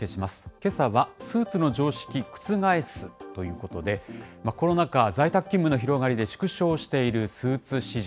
けさは、スーツの常識くつがえす？ということで、コロナ禍、在宅勤務の広がりで縮小しているスーツ市場。